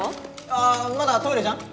ああまだトイレじゃん？